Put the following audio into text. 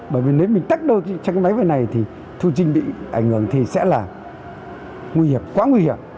bởi vì nếu mình tách đôi trong cái máy vừa này thì thu trinh bị ảnh hưởng thì sẽ là nguy hiểm quá nguy hiểm